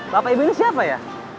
bapak ibu ini siapa ya